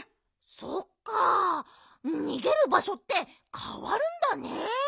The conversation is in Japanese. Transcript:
そっかにげるばしょってかわるんだね！